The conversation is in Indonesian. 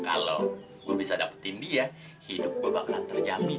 kalau gue bisa dapetin dia hidup gue bakalan terjamin